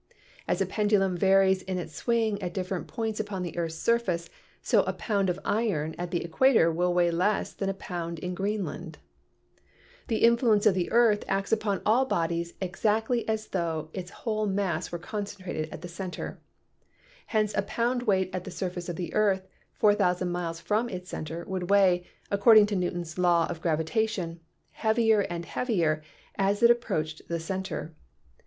As a pendulum varies in its swing at different points upon the earth's surface, so a pound of iron at the equator will weigh less than a pound in Greenland. The THE PROPERTIES OF MATTER 27 influence of the earth acts upon all bodies exactly as tho its whole mass were concentrated at the center. Hence a pound weight at the surface of the earth, 4,000 miles from its center, would weigh, according to Newton's law of gravitation, heavier and heavier as it approached the center.